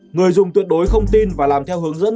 người dùng tuyệt đối không tin và làm theo hướng dẫn